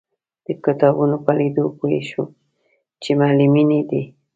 د کتابونو په لیدو پوی شوم چې معلمینې دي.